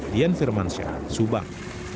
dian firmansyah subang